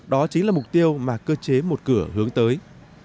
đó chính là mục tiêu mà cơ chế một cửa hướng tới